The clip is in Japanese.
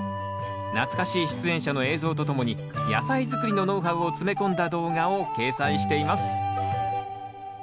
懐かしい出演者の映像とともに野菜づくりのノウハウを詰め込んだ動画を掲載しています。